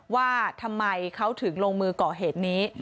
ว่าทำไมเขาถึงลงมือก่อเหตุนี้